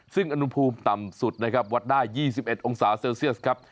ซึ่งอุณหภูมิต่ำสุดนะครับวัดได้๒๑องศาเซลเซียสครับ